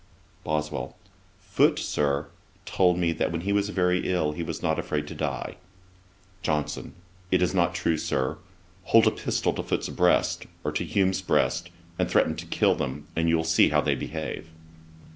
BOSWELL: 'Foote, Sir, told me, that when he was very ill he was not afraid to die.' JOHNSON: 'It is not true, Sir. Hold a pistol to Foote's breast, or to Hume's breast, and threaten to kill them, and you'll see how they behave.'